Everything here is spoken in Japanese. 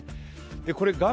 これ画面